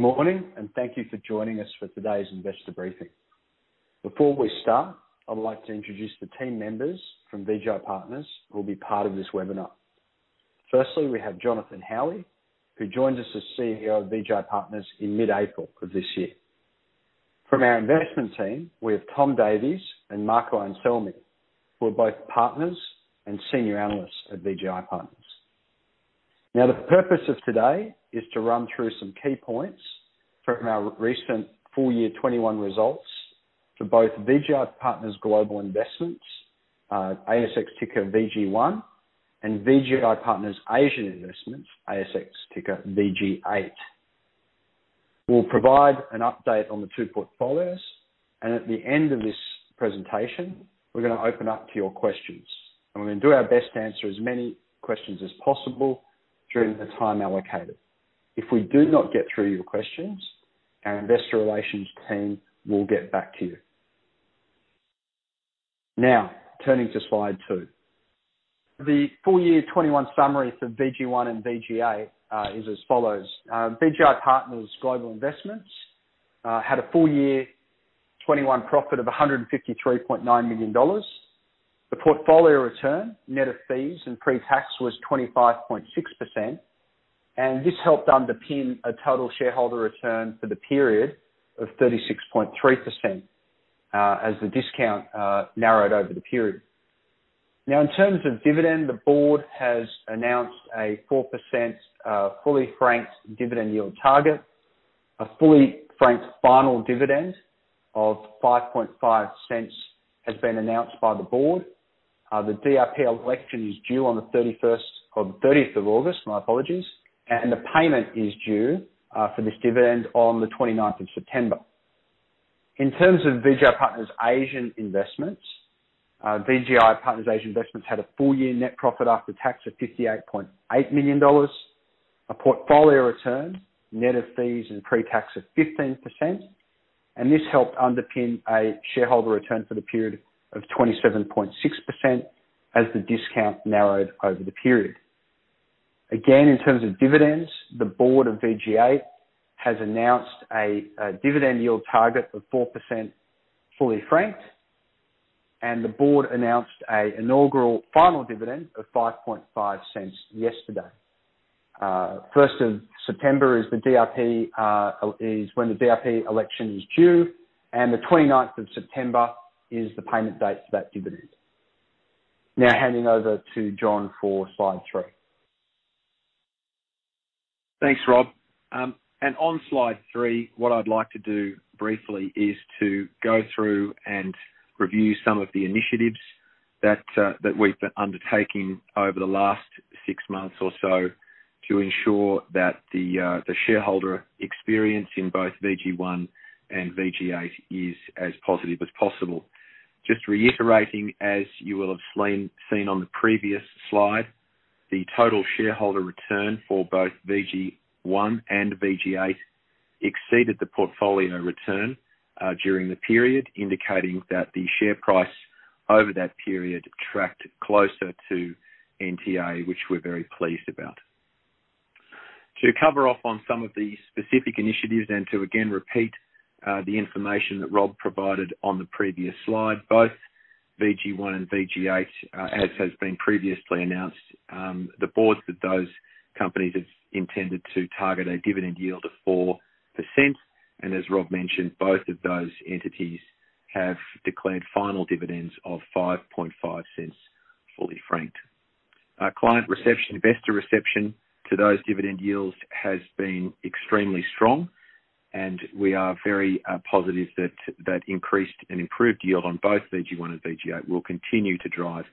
Good morning, and thank you for joining us for today's investor briefing. Before we start, I'd like to introduce the team members from VGI Partners who will be part of this webinar. Firstly, we have Jon Howie, who joined us as CEO of VGI Partners in mid-April of this year. From our investment team, we have Thomas Davies and Marco Anselmi, who are both partners and senior analysts at VGI Partners. The purpose of today is to run through some key points from our recent full year 2021 results for both VGI Partners Global Investments, ASX ticker VG1, and VGI Partners Asian Investments, ASX ticker VG8. We'll provide an update on the two portfolios, and at the end of this presentation, we're going to open up to your questions, and we're going to do our best to answer as many questions as possible during the time allocated. If we do not get through your questions, our investor relations team will get back to you. Now, turning to slide two. The full year 2021 summary for VG1 and VG8 is as follows. VGI Partners Global Investments had a full year 2021 profit of 153.9 million dollars. The portfolio return, net of fees and pre-tax, was 25.6%, and this helped underpin a total shareholder return for the period of 36.3%, as the discount narrowed over the period. Now, in terms of dividend, the board has announced a 4% fully franked dividend yield target. A fully franked final dividend of 0.055 has been announced by the board. The DRP election is due on the 31st or the 30th of August, my apologies, and the payment is due for this dividend on the 29th of September. In terms of VGI Partners Asian Investments, VGI Partners Asian Investments had a full year net profit after tax of 58.8 million dollars, a portfolio return net of fees and pre-tax of 15%, and this helped underpin a shareholder return for the period of 27.6% as the discount narrowed over the period. Again, in terms of dividends, the board of VG8 has announced a dividend yield target of 4% fully franked, and the board announced an inaugural final dividend of 0.055 yesterday. 1st of September is when the DRP election is due, and the 29th of September is the payment date for that dividend. Handing over to Jon for slide three. Thanks, Rob. On slide three, what I'd like to do briefly is to go through and review some of the initiatives that we've been undertaking over the last six months or so to ensure that the shareholder experience in both VG1 and VG8 is as positive as possible. Just reiterating, as you will have seen on the previous slide, the total shareholder return for both VG1 and VG8 exceeded the portfolio return during the period, indicating that the share price over that period tracked closer to NTA, which we're very pleased about. To cover off on some of the specific initiatives and to again repeat the information that Rob provided on the previous slide, both VG1 and VG8, as has been previously announced, the boards of those companies have intended to target a dividend yield of 4%. As Rob mentioned, both of those entities have declared final dividends of 0.055 fully franked. Our client investor reception to those dividend yields has been extremely strong. We are very positive that increased and improved yield on both VG1 and VG8 will continue to drive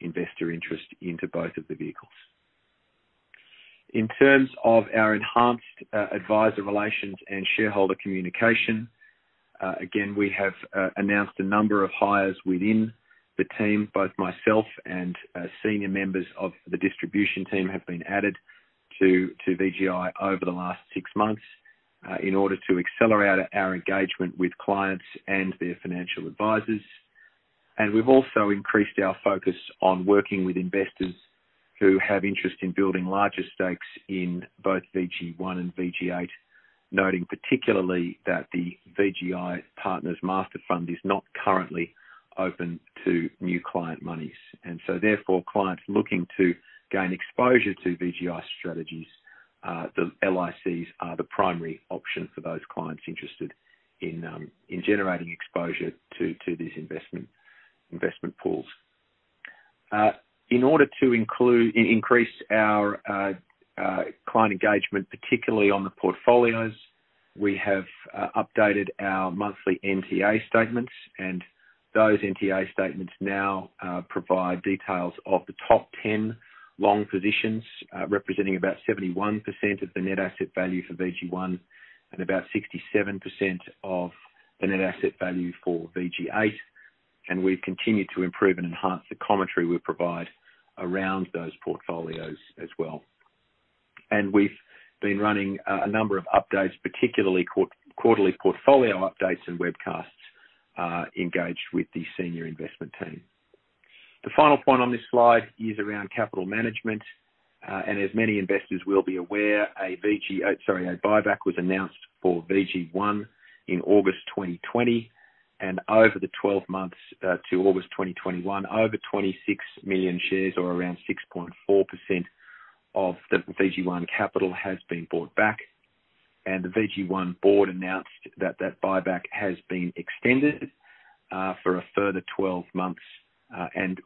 investor interest into both of the vehicles. In terms of our enhanced advisor relations and shareholder communication, again, we have announced a number of hires within the team. Both myself and senior members of the distribution team have been added to VGI over the last six months in order to accelerate our engagement with clients and their financial advisors. We've also increased our focus on working with investors who have interest in building larger stakes in both VG1 and VG8, noting particularly that the VGI Partners Master Fund is not currently open to new client monies. Therefore, clients looking to gain exposure to VGI strategies, the LICs are the primary option for those clients interested in generating exposure to these investment pools. In order to increase our client engagement, particularly on the portfolios, we have updated our monthly NTA statements. Those NTA statements now provide details of the top 10 long positions, representing about 71% of the net asset value for VG1 and about 67% of the net asset value for VG8. We've continued to improve and enhance the commentary we provide around those portfolios as well. We've been running a number of updates, particularly quarterly portfolio updates and webcasts, engaged with the senior investment team. The final point on this slide is around capital management. As many investors will be aware, a buyback was announced for VG1 in August 2020, and over the 12 months to August 2021, over 26 million shares or around 6.4% of the VG1 capital has been bought back. The VG1 board announced that that buyback has been extended for a further 12 months.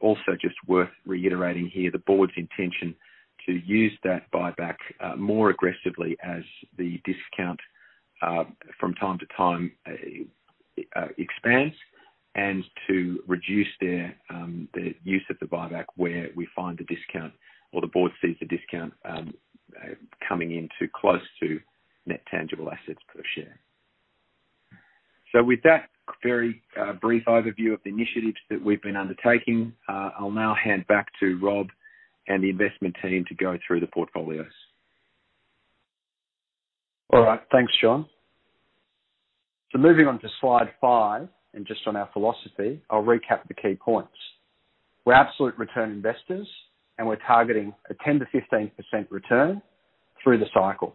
Also just worth reiterating here, the board's intention to use that buyback more aggressively as the discount from time to time expands and to reduce their use of the buyback where we find a discount or the board sees a discount coming in to close to net tangible assets per share. With that very brief overview of the initiatives that we've been undertaking, I'll now hand back to Rob and the investment team to go through the portfolios. All right. Thanks, Jon. Moving on to slide five and just on our philosophy, I'll recap the key points. We're absolute return investors, and we're targeting a 10%-15% return through the cycle.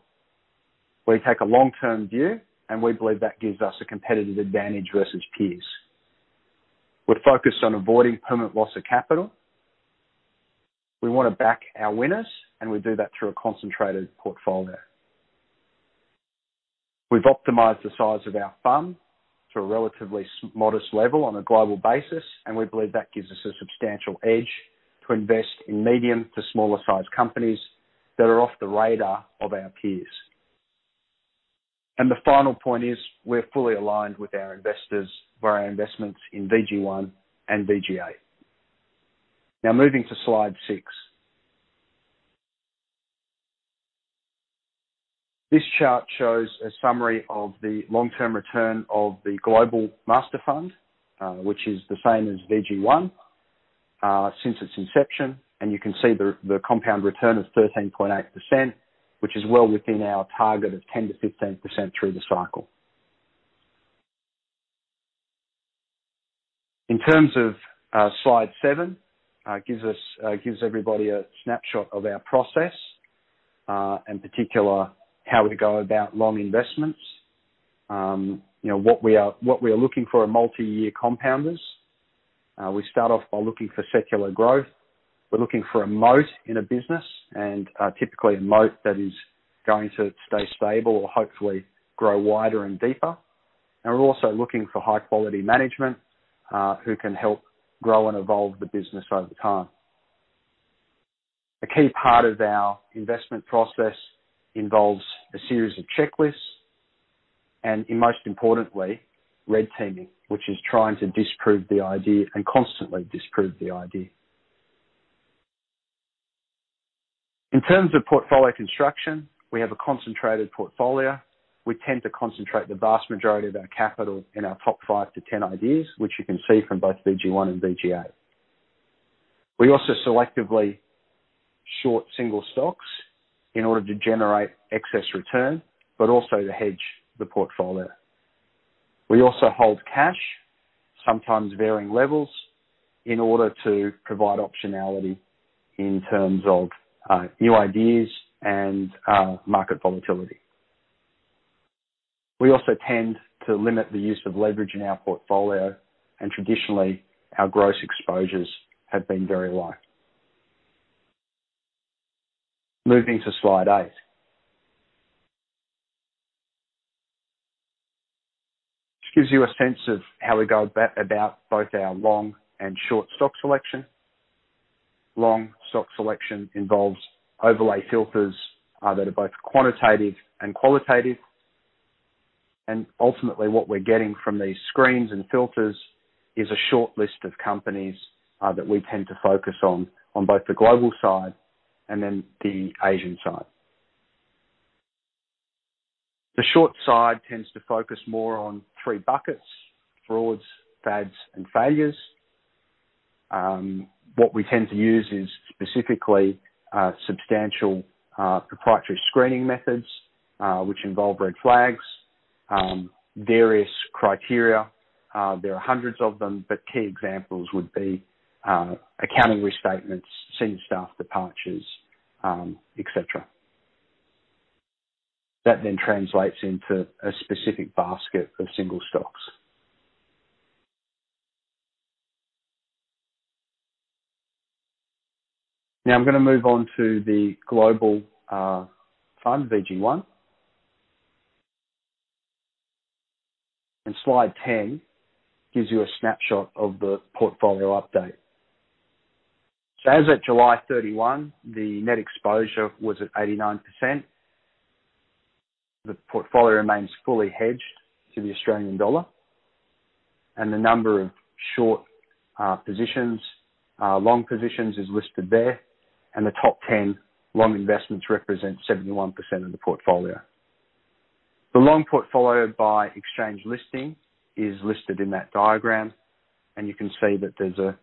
We take a long-term view, and we believe that gives us a competitive advantage versus peers. We're focused on avoiding permanent loss of capital. We want to back our winners, and we do that through a concentrated portfolio. We've optimized the size of our fund to a relatively modest level on a global basis, and we believe that gives us a substantial edge to invest in medium to smaller-sized companies that are off the radar of our peers. The final point is, we're fully aligned with our investors for our investments in VG1 and VG8. Moving to slide six. This chart shows a summary of the long-term return of the VGI Partners Master Fund, which is the same as VG1, since its inception. You can see the compound return is 13.8%, which is well within our target of 10%-15% through the cycle. In terms of slide seven, gives everybody a snapshot of our process, in particular, how we go about long investments. What we are looking for are multi-year compounders. We start off by looking for secular growth. We're looking for a moat in a business and, typically, a moat that is going to stay stable or hopefully grow wider and deeper. We're also looking for high-quality management, who can help grow and evolve the business over time. A key part of our investment process involves a series of checklists and most importantly, red teaming, which is trying to disprove the idea and constantly disprove the idea. In terms of portfolio construction, we have a concentrated portfolio. We tend to concentrate the vast majority of our capital in our top 5-10 ideas, which you can see from both VG1 and VG8. We also selectively short single stocks in order to generate excess return, but also to hedge the portfolio. We also hold cash, sometimes varying levels, in order to provide optionality in terms of new ideas and market volatility. We also tend to limit the use of leverage in our portfolio, and traditionally, our gross exposures have been very light. Moving to slide eight. Which gives you a sense of how we go about both our long and short stock selection. Long stock selection involves overlay filters that are both quantitative and qualitative. Ultimately, what we're getting from these screens and filters is a short list of companies that we tend to focus on both the global side and then the Asian side. The short side tends to focus more on three buckets: frauds, fads, and failures. What we tend to use is specifically substantial proprietary screening methods, which involve red flags, various criteria. There are hundreds of them, but key examples would be accounting restatements, senior staff departures, et cetera. That then translates into a specific basket of single stocks. Now I'm going to move on to the global fund, VG1. Slide 10 gives you a snapshot of the portfolio update. As at July 31, the net exposure was at 89%. The portfolio remains fully hedged to the Australian dollar. The number of short positions, long positions is listed there, the top 10 long investments represent 71% of the portfolio. The long portfolio by exchange listing is listed in that diagram, you can see that there's a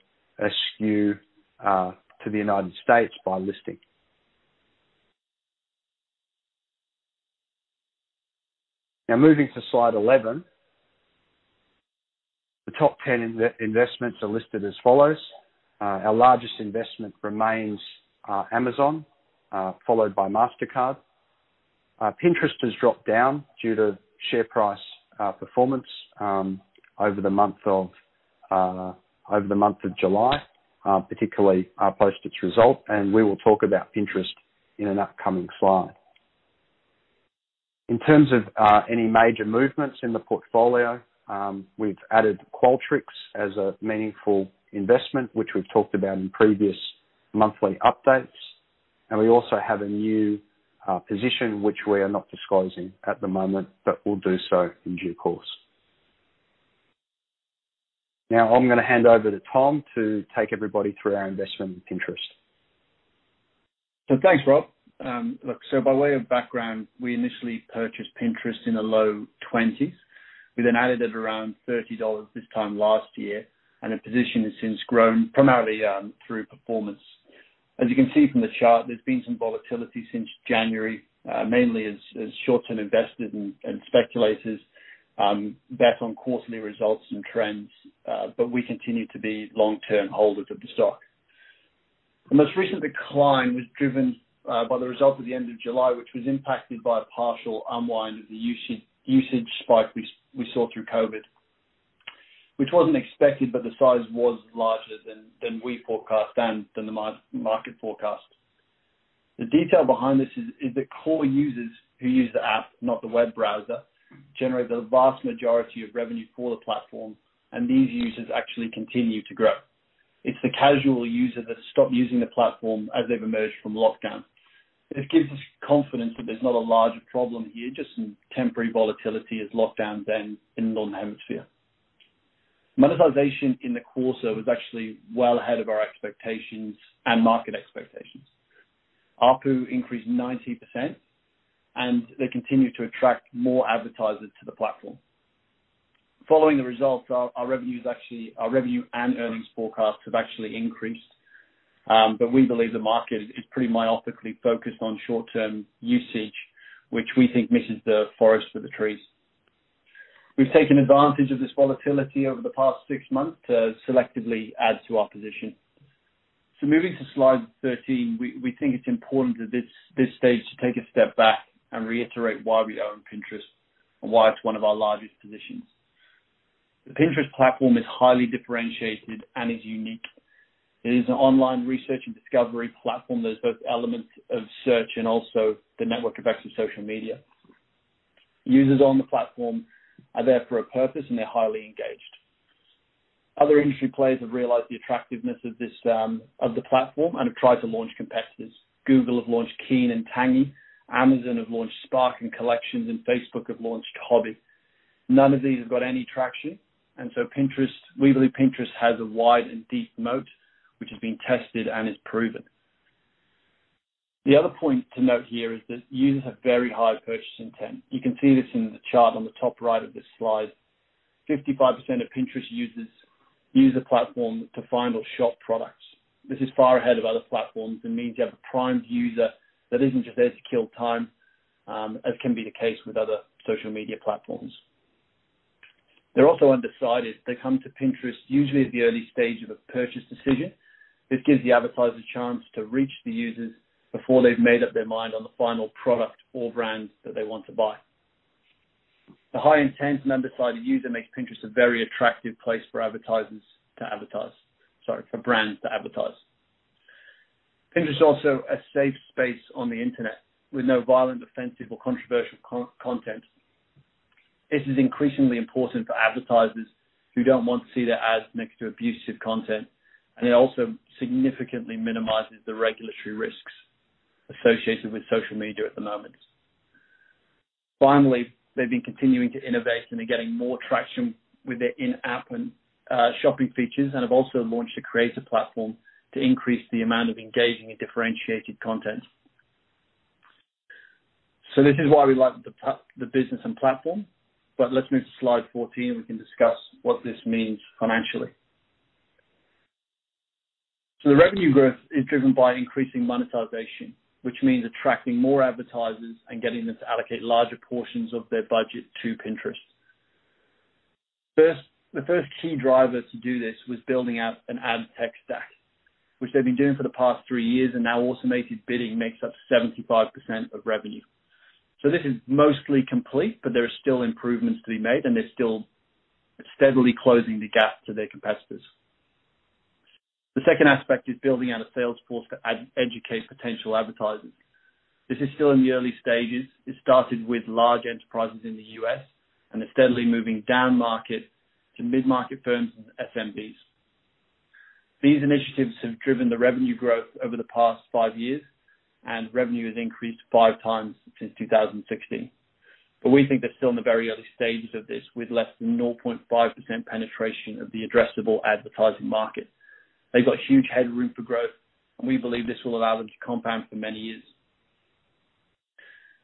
skew to the U.S. by listing. Now moving to slide 11. The top 10 investments are listed as follows. Our largest investment remains Amazon, followed by Mastercard. Pinterest has dropped down due to share price performance over the month of July, particularly post its result, we will talk about Pinterest in an upcoming slide. In terms of any major movements in the portfolio, we've added Qualtrics as a meaningful investment, which we've talked about in previous monthly updates, we also have a new position, which we are not disclosing at the moment, but will do so in due course. Now, I'm going to hand over to Tom to take everybody through our investment with Pinterest. Thanks, Rob. By way of background, we initially purchased Pinterest in the low 20s. We added at around $30 this time last year, and the position has since grown primarily through performance. As you can see from the chart, there's been some volatility since January, mainly as short-term investors and speculators bet on quarterly results and trends, but we continue to be long-term holders of the stock. The most recent decline was driven by the results of the end of July, which was impacted by a partial unwind of the usage spike we saw through COVID, which wasn't expected, but the size was larger than we forecast and than the market forecast. The detail behind this is that core users who use the app, not the web browser, generate the vast majority of revenue for the platform, and these users actually continue to grow. It's the casual user that stopped using the platform as they've emerged from lockdown. This gives us confidence that there's not a larger problem here, just some temporary volatility as lockdowns end in the northern hemisphere. Monetization in the quarter was actually well ahead of our expectations and market expectations. ARPU increased 90%, and they continue to attract more advertisers to the platform. We believe the market is pretty myopically focused on short-term usage, which we think misses the forest for the trees. We've taken advantage of this volatility over the past six months to selectively add to our position. Moving to slide 13, we think it's important at this stage to take a step back and reiterate why we own Pinterest and why it's one of our largest positions. The Pinterest platform is highly differentiated and is unique. It is an online research and discovery platform that has both elements of search and also the network effects of social media. Users on the platform are there for a purpose, and they're highly engaged. Other industry players have realized the attractiveness of the platform and have tried to launch competitors. Google have launched Keen and Tangi, Amazon have launched Spark and Collections, and Facebook have launched Hobbi. None of these have got any traction, and so we believe Pinterest has a wide and deep moat, which has been tested and is proven. The other point to note here is that users have very high purchase intent. You can see this in the chart on the top right of this slide. 55% of Pinterest users use the platform to find or shop products. This is far ahead of other platforms and means you have a primed user that isn't just there to kill time, as can be the case with other social media platforms. They're also undecided. They come to Pinterest usually at the early stage of a purchase decision. This gives the advertisers a chance to reach the users before they've made up their mind on the final product or brand that they want to buy. The high intent and undecided user makes Pinterest a very attractive place for advertisers to advertise. Sorry, for brands to advertise. Pinterest is also a safe space on the internet with no violent, offensive, or controversial content. This is increasingly important for advertisers who don't want to see their ads next to abusive content, and it also significantly minimizes the regulatory risks associated with social media at the moment. They've been continuing to innovate, and they're getting more traction with their in-app and shopping features and have also launched a creator platform to increase the amount of engaging and differentiated content. This is why we like the business and platform. Let's move to slide 14, and we can discuss what this means financially. The revenue growth is driven by increasing monetization, which means attracting more advertisers and getting them to allocate larger portions of their budget to Pinterest. The first key driver to do this was building out an ad tech stack, which they've been doing for the past three years, and now automated bidding makes up 75% of revenue. This is mostly complete, but there are still improvements to be made, and they're still steadily closing the gap to their competitors. The second aspect is building out a sales force to educate potential advertisers. This is still in the early stages. It started with large enterprises in the U.S. and are steadily moving down market to mid-market firms and SMBs. These initiatives have driven the revenue growth over the past five years, and revenue has increased five times since 2016. We think they're still in the very early stages of this, with less than 0.5% penetration of the addressable advertising market. They've got huge headroom for growth, and we believe this will allow them to compound for many years.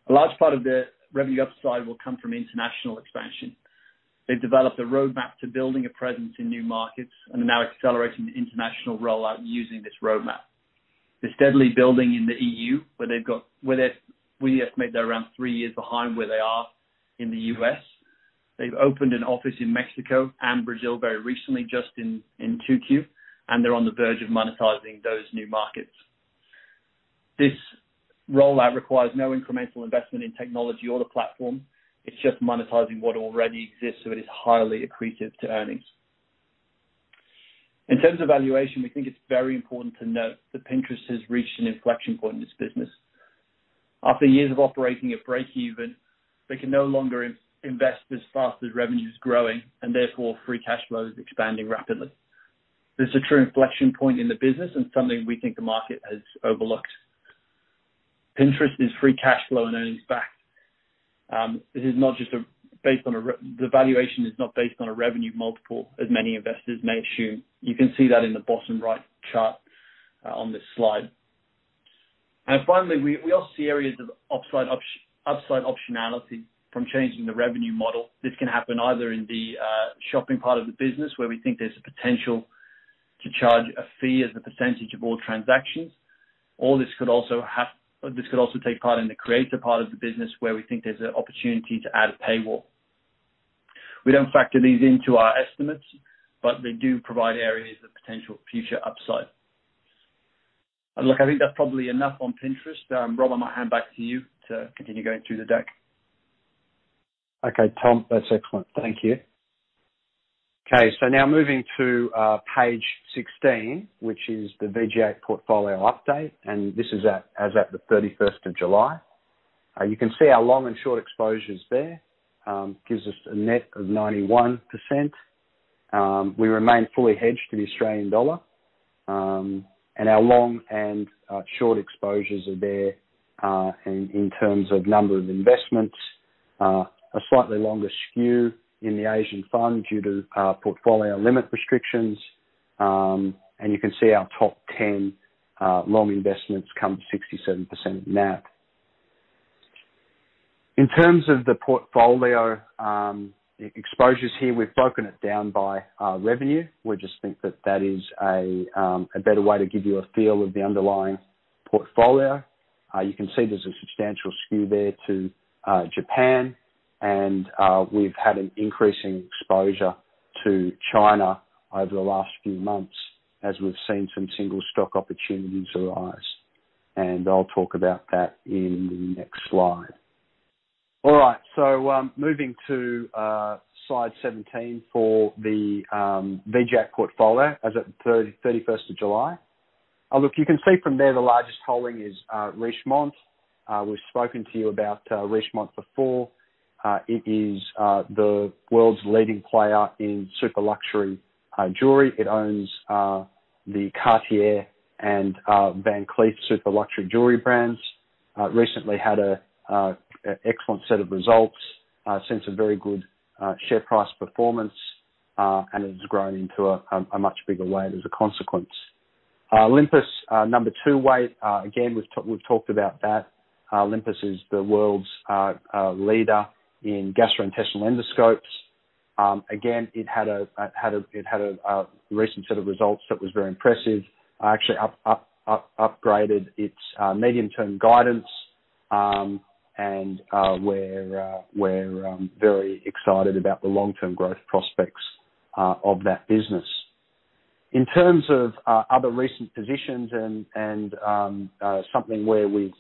A large part of the revenue upside will come from international expansion. They've developed a roadmap to building a presence in new markets and are now accelerating the international rollout using this roadmap. They're steadily building in the EU, where we estimate they're around three years behind where they are in the U.S. They've opened an office in Mexico and Brazil very recently, just in 2Q, and they're on the verge of monetizing those new markets. This rollout requires no incremental investment in technology or the platform. It's just monetizing what already exists, so it is highly accretive to earnings. In terms of valuation, we think it's very important to note that Pinterest has reached an inflection point in its business. After years of operating at breakeven, they can no longer invest as fast as revenue is growing, and therefore, free cash flow is expanding rapidly. This is a true inflection point in the business and something we think the market has overlooked. Pinterest is free cash flow and earnings back. The valuation is not based on a revenue multiple as many investors may assume. You can see that in the bottom right chart on this slide. Finally, we also see areas of upside optionality from changing the revenue model. This can happen either in the shopping part of the business, where we think there's a potential to charge a fee as a percentage of all transactions, or this could also take part in the creator part of the business where we think there's an opportunity to add a paywall. We don't factor these into our estimates, but they do provide areas of potential future upside. Look, I think that's probably enough on Pinterest. Rob, I'm going to hand back to you to continue going through the deck. Okay, Tom. That's excellent. Thank you. Now moving to page 16, which is the VG8 portfolio update, and this is as at the 31st of July. You can see our long and short exposures there. Gives us a net of 91%. We remain fully hedged to the Australian dollar. Our long and short exposures are there, in terms of number of investments. A slightly longer skew in the Asian fund due to portfolio limit restrictions. You can see our top 10 long investments come 67% NAV. In terms of the portfolio exposures here, we've broken it down by revenue. We just think that that is a better way to give you a feel of the underlying portfolio. You can see there's a substantial skew there to Japan and we've had an increasing exposure to China over the last few months as we've seen some single stock opportunities arise. I'll talk about that in the next slide. All right. Moving to slide 17 for the VG8 portfolio as at the 31st of July. You can see from there the largest holding is Richemont. We've spoken to you about Richemont before. It is the world's leading player in super luxury jewelry. It owns the Cartier and Van Cleef super luxury jewelry brands. Recently had an excellent set of results since a very good share price performance, and it has grown into a much bigger weight as a consequence. Olympus, number two weight. We've talked about that. Olympus is the world's leader in gastrointestinal endoscopes. It had a recent set of results that was very impressive. Actually upgraded its medium-term guidance. We're very excited about the long-term growth prospects of that business. In terms of other recent positions, something where we've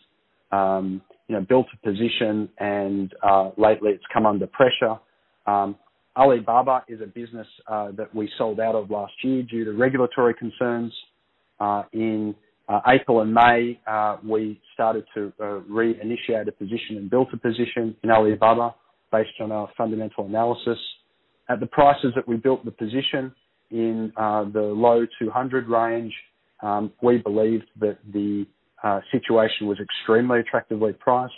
built a position and lately it's come under pressure. Alibaba is a business that we sold out of last year due to regulatory concerns. In April and May, we started to re-initiate a position and built a position in Alibaba based on our fundamental analysis. At the prices that we built the position in the low 200 range, we believed that the situation was extremely attractively priced.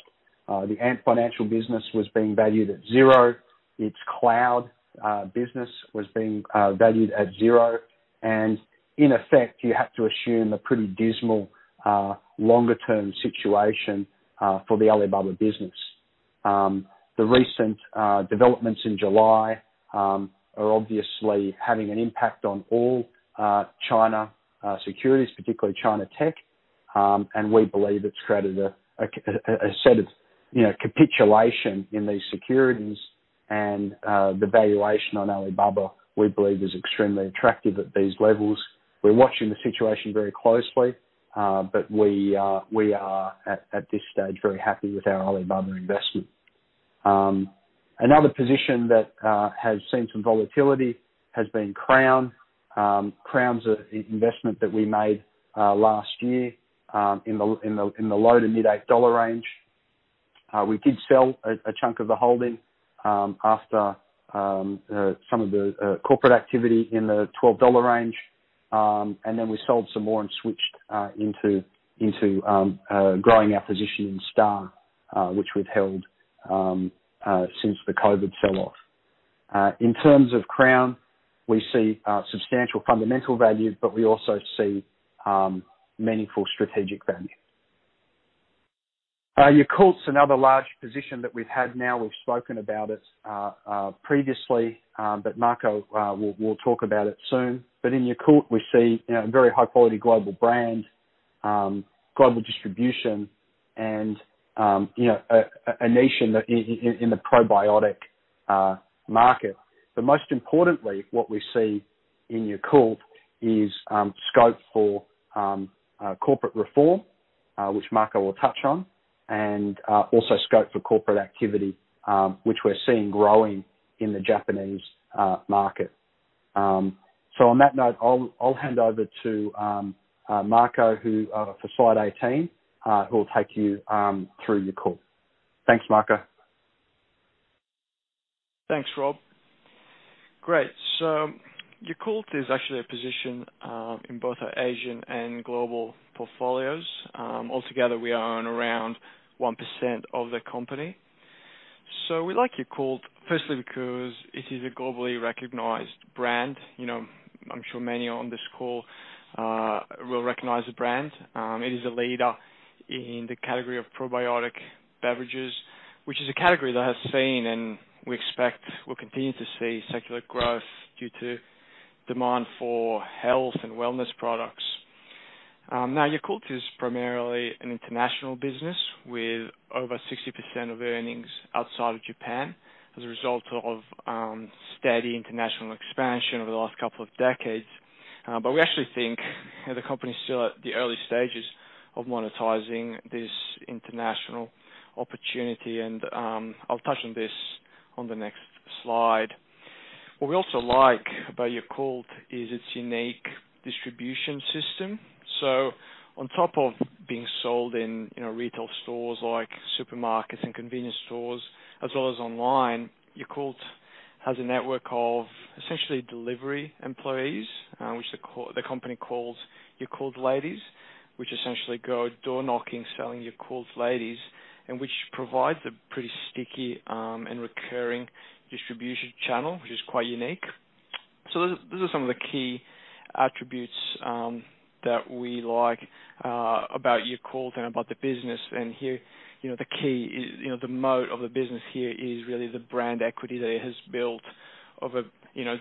The Ant Financial business was being valued at zero. Its cloud business was being valued at zero. In effect, you have to assume a pretty dismal longer term situation for the Alibaba business. The recent developments in July are obviously having an impact on all China securities, particularly China tech. We believe it has created a set of capitulation in these securities, and the valuation on Alibaba, we believe, is extremely attractive at these levels. We are watching the situation very closely, but we are at this stage very happy with our Alibaba investment. Another position that has seen some volatility has been Crown. Crown's an investment that we made last year in the low to mid 8 dollar range. We did sell a chunk of the holding after some of the corporate activity in the 12 dollar range, then we sold some more and switched into growing our position in Star, which we have held since the COVID sell-off. In terms of Crown, we see substantial fundamental value, but we also see meaningful strategic value. Yakult's another large position that we have had now. We've spoken about it previously, Marco will talk about it soon. In Yakult, we see a very high-quality global brand, global distribution, and a niche in the probiotic market. Most importantly, what we see in Yakult is scope for corporate reform which Marco will touch on, and also scope for corporate activity which we're seeing growing in the Japanese market. On that note, I'll hand over to Marco for slide 18, who will take you through Yakult. Thanks, Marco. Thanks, Rob. Great. Yakult is actually a position in both our Asian and global portfolios. Altogether, we own around 1% of the company. We like Yakult firstly because it is a globally recognized brand. I'm sure many on this call will recognize the brand. It is a leader in the category of probiotic beverages, which is a category that has seen and we expect will continue to see secular growth due to demand for health and wellness products. Yakult is primarily an international business with over 60% of earnings outside of Japan as a result of steady international expansion over the last couple of decades. We actually think the company is still at the early stages of monetizing this international opportunity, and I'll touch on this on the next slide. What we also like about Yakult is its unique distribution system. On top of being sold in retail stores like supermarkets and convenience stores, as well as online, Yakult has a network of essentially delivery employees, which the company calls Yakult Ladies, which essentially go door-knocking selling Yakult Ladies, and which provides a pretty sticky and recurring distribution channel, which is quite unique. Those are some of the key attributes that we like about Yakult and about the business. Here, the key is the moat of the business here is really the brand equity that it has built over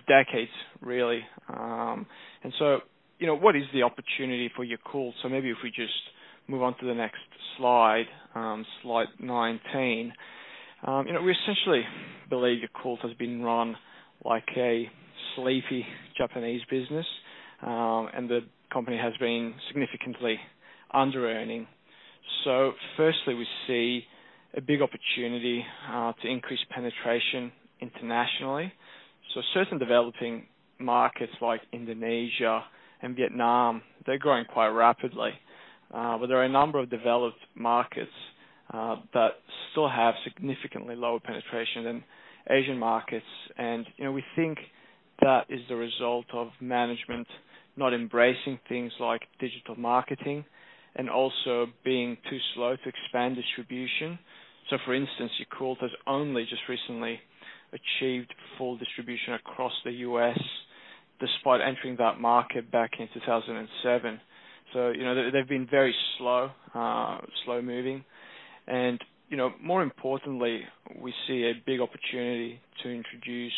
decades, really. What is the opportunity for Yakult? Maybe if we just move on to the next slide 19. We essentially believe Yakult has been run like a sleepy Japanese business, and the company has been significantly under-earning. Firstly, we see a big opportunity to increase penetration internationally. Certain developing markets like Indonesia and Vietnam, they're growing quite rapidly. There are a number of developed markets that still have significantly lower penetration than Asian markets. We think that is the result of management not embracing things like digital marketing and also being too slow to expand distribution. For instance, Yakult has only just recently achieved full distribution across the U.S. despite entering that market back in 2007. They've been very slow moving. More importantly, we see a big opportunity to introduce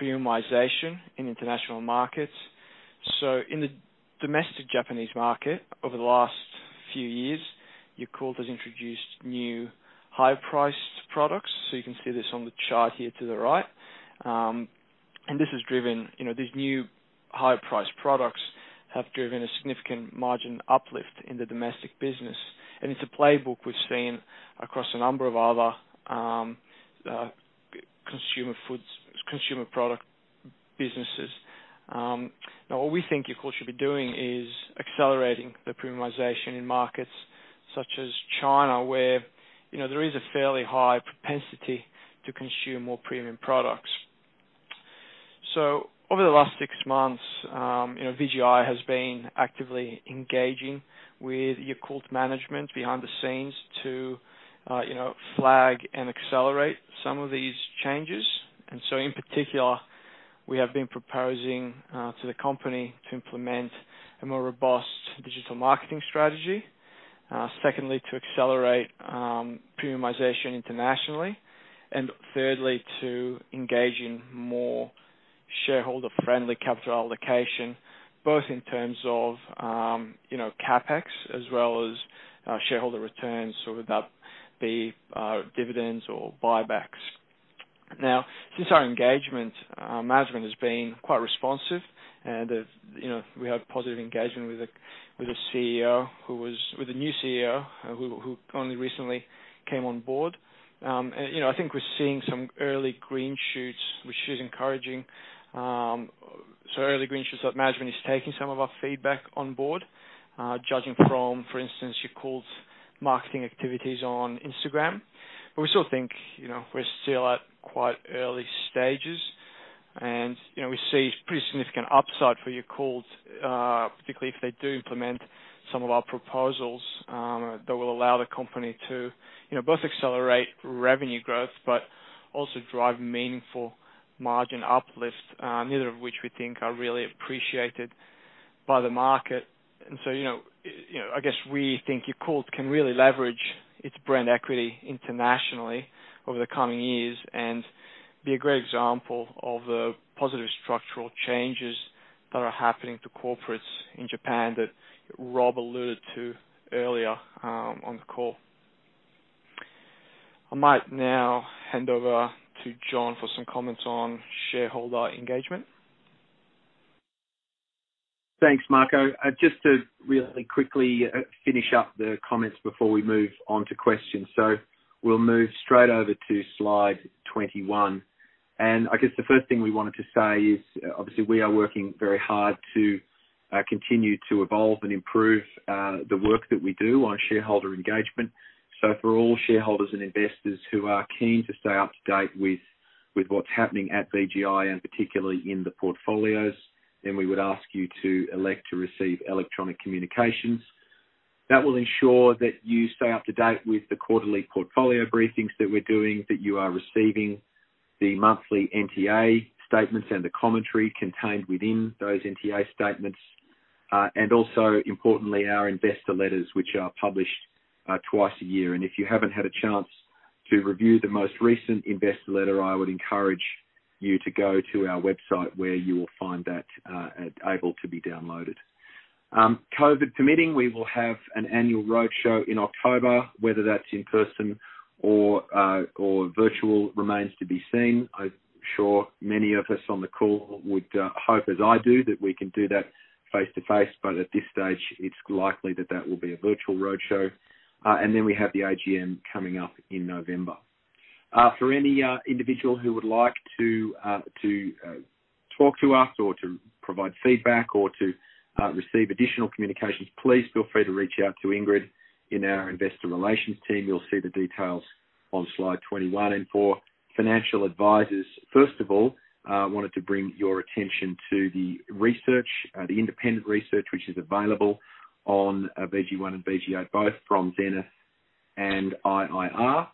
premiumization in international markets. In the domestic Japanese market over the last few years, Yakult has introduced new higher priced products. You can see this on the chart here to the right. These new higher priced products have driven a significant margin uplift in the domestic business. It's a playbook we've seen across a number of other consumer product businesses. What we think Yakult should be doing is accelerating the premiumization in markets such as China, where there is a fairly high propensity to consume more premium products. Over the last six months, VGI has been actively engaging with Yakult management behind the scenes to flag and accelerate some of these changes. In particular, we have been proposing to the company to implement a more robust digital marketing strategy. Secondly, to accelerate premiumization internationally. Thirdly, to engage in more shareholder-friendly capital allocation, both in terms of CapEx as well as shareholder returns. Whether that be dividends or buybacks. Since our engagement, management has been quite responsive and we have positive engagement with the new CEO, who only recently came on board. I think we're seeing some early green shoots, which is encouraging. Early green shoots that management is taking some of our feedback on board, judging from, for instance, Yakult's marketing activities on Instagram. We still think we're still at quite early stages and we see pretty significant upside for Yakult, particularly if they do implement some of our proposals that will allow the company to both accelerate revenue growth, but also drive meaningful margin uplift, neither of which we think are really appreciated by the market. I guess we think Yakult can really leverage its brand equity internationally over the coming years and be a great example of the positive structural changes that are happening to corporates in Japan that Rob alluded to earlier on the call. I might now hand over to Jon for some comments on shareholder engagement. Thanks, Marco. Just to really quickly finish up the comments before we move on to questions. We'll move straight over to slide 21. I guess the first thing we wanted to say is, obviously, we are working very hard to continue to evolve and improve the work that we do on shareholder engagement. For all shareholders and investors who are keen to stay up to date with what's happening at VGI, and particularly in the portfolios, then we would ask you to elect to receive electronic communications. That will ensure that you stay up to date with the quarterly portfolio briefings that we're doing, that you are receiving the monthly NTA statements and the commentary contained within those NTA statements. Also, importantly, our investor letters, which are published twice a year. If you haven't had a chance to review the most recent investor letter, I would encourage you to go to our website, where you will find that able to be downloaded. COVID permitting, we will have an annual roadshow in October. Whether that's in person or virtual remains to be seen. I'm sure many of us on the call would hope, as I do, that we can do that face-to-face, but at this stage it's likely that that will be a virtual roadshow. Then we have the AGM coming up in November. For any individual who would like to talk to us or to provide feedback or to receive additional communications, please feel free to reach out to Ingrid in our investor relations team. You'll see the details on slide 21. For financial advisors, first of all, I wanted to bring your attention to the research, the independent research, which is available on VG1 and VG8, both from Zenith and IIR.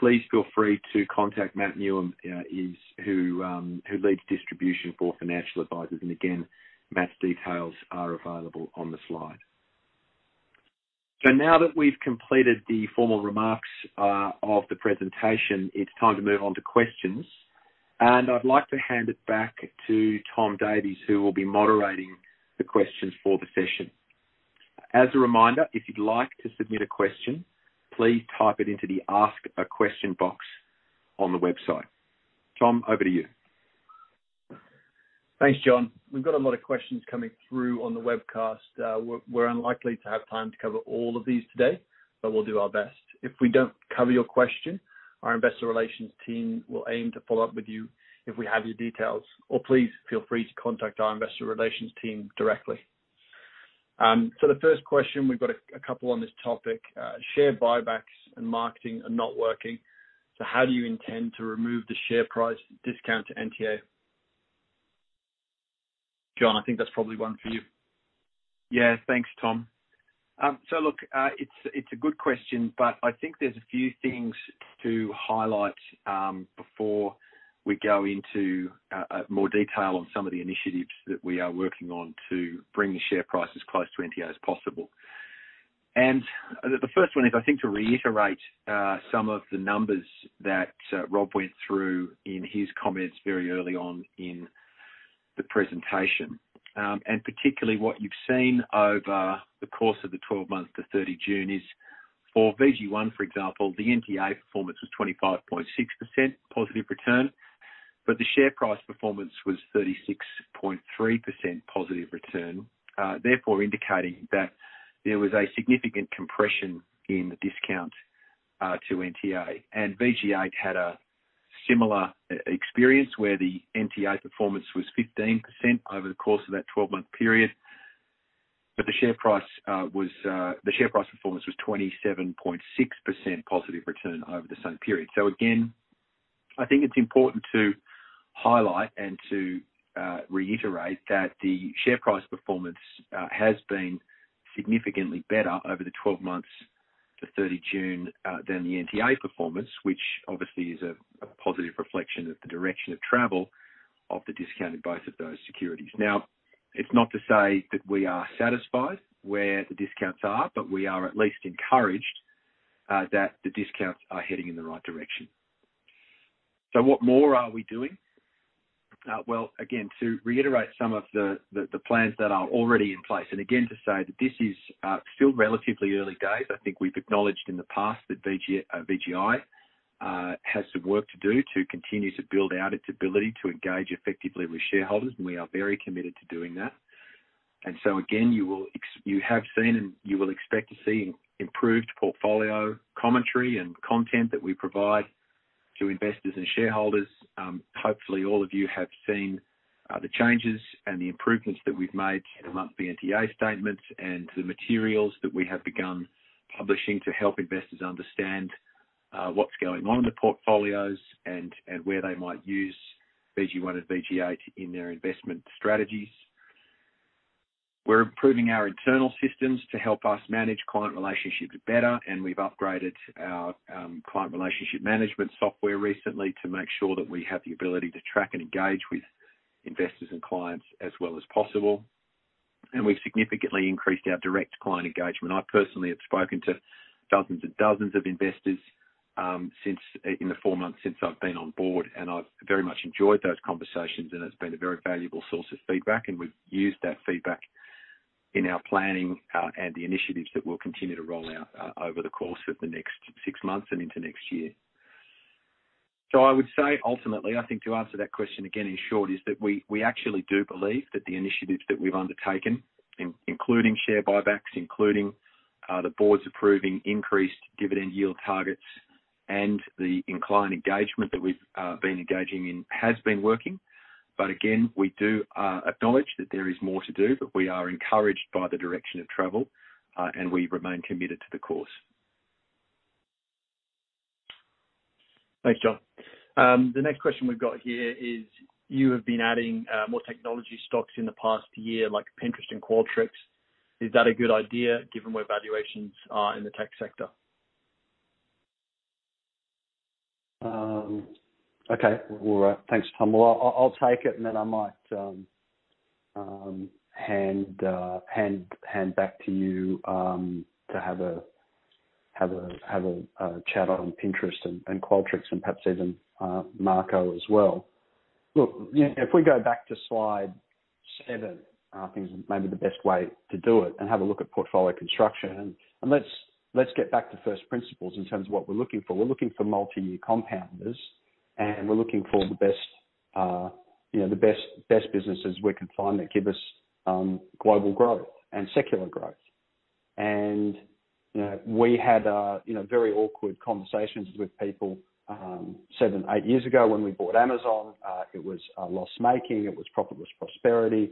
Please feel free to contact Matt Newham, who leads distribution for financial advisors. Again, Matt's details are available on the slide. Now that we've completed the formal remarks of the presentation, it's time to move on to questions. I'd like to hand it back to Tom Davies, who will be moderating the questions for the session. As a reminder, if you'd like to submit a question, please type it into the Ask a question box on the website. Tom, over to you. Thanks, Jon. We've got a lot of questions coming through on the webcast. We're unlikely to have time to cover all of these today, but we'll do our best. If we don't cover your question, our investor relations team will aim to follow up with you if we have your details, or please feel free to contact our investor relations team directly. The first question, we've got a couple on this topic. Share buybacks and marketing are not working, so how do you intend to remove the share price discount to NTA? Jon, I think that's probably one for you. Thanks, Tom. Look, it's a good question, but I think there's a few things to highlight before we go into more detail on some of the initiatives that we are working on to bring the share price as close to NTA as possible. The first one is, I think, to reiterate some of the numbers that Rob went through in his comments very early on in the presentation. Particularly what you've seen over the course of the 12 months to 30 June is, for VG1, for example, the NTA performance was 25.6% positive return, but the share price performance was 36.3% positive return, therefore indicating that there was a significant compression in the discount to NTA. RG8 had a similar experience, where the NTA performance was 15% over the course of that 12-month period, but the share price performance was 27.6% positive return over the same period. Again, I think it's important to highlight and to reiterate that the share price performance has been significantly better over the 12 months to 30 June than the NTA performance, which obviously is a positive reflection of the direction of travel of the discount in both of those securities. It's not to say that we are satisfied where the discounts are, but we are at least encouraged that the discounts are heading in the right direction. What more are we doing? Well, again, to reiterate some of the plans that are already in place, and again, to say that this is still relatively early days, I think we've acknowledged in the past that VGI has some work to do to continue to build out its ability to engage effectively with shareholders, and we are very committed to doing that. Again, you have seen and you will expect to see improved portfolio commentary and content that we provide to investors and shareholders. Hopefully, all of you have seen the changes and the improvements that we've made in the monthly NTA statements and the materials that we have begun publishing to help investors understand what's going on in the portfolios and where they might use VG1 and RG8 in their investment strategies. We're improving our internal systems to help us manage client relationships better, and we've upgraded our client relationship management software recently to make sure that we have the ability to track and engage with investors and clients as well as possible. We've significantly increased our direct client engagement. I personally have spoken to dozens and dozens of investors in the four months since I've been on board, I've very much enjoyed those conversations, and it's been a very valuable source of feedback. We've used that feedback in our planning and the initiatives that we'll continue to roll out over the course of the next six months and into next year. I would say ultimately, I think to answer that question again, in short, is that we actually do believe that the initiatives that we've undertaken, including share buybacks, including the boards approving increased dividend yield targets, and the client engagement that we've been engaging in has been working. Again, we do acknowledge that there is more to do, but we are encouraged by the direction of travel, and we remain committed to the course. Thanks, Jon. The next question we've got here is, you have been adding more technology stocks in the past year, like Pinterest and Qualtrics. Is that a good idea given where valuations are in the tech sector? Okay. All right. Thanks, Tom. I'll take it, and then I might hand back to you, to have a chat on Pinterest and Qualtrics and perhaps even Marco as well. If we go back to slide seven, I think is maybe the best way to do it and have a look at portfolio construction. Let's get back to first principles in terms of what we're looking for. We're looking for multi-year compounders, and we're looking for the best businesses we can find that give us global growth and secular growth. We had very awkward conversations with people, seven, eight years ago when we bought Amazon. It was loss-making. It was profitless prosperity.